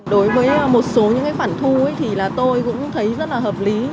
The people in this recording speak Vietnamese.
đối với một số những khoản thu thì là tôi cũng thấy rất là hợp lý